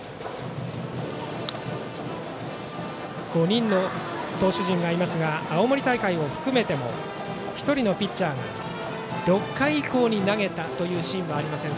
５人の投手陣がいますが青森大会を含めても１人のピッチャーが６回以降に投げたというシーンはありません。